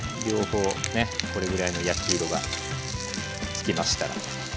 両方これぐらいの焼き色がつきましたら。